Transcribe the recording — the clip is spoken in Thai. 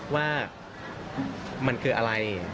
ว่ามันคืออะไร